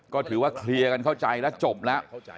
ก็ถือว่าเคลียร์กันเข้าใจแล้วจบแล้ว